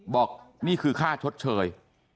บอกนี่คือค่าชดเชย